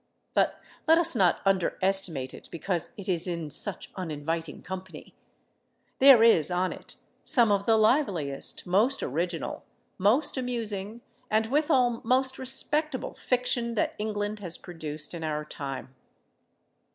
But let us not underestimate it because it is in such uninviting company. There is on it some of the liveliest, most original, most amusing, and withal most respectable fiction that England has produced in our time.